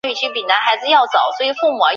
圣皮耶尔布瓦。